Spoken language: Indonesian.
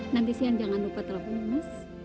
nanti siang jangan lupa telepon mas